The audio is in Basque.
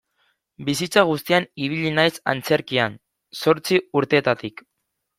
Bizitza guztian ibili naiz antzerkian, zortzi urtetatik.